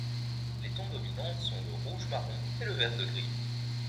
Les tons dominants sont le rouge-marron et le vert-de-gris.